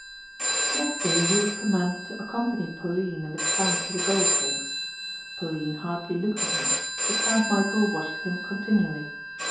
Next day he was commanded to accompany Pauline and the count to the golf links. Pauline hardly looked at him but Count Michæl watched him continually.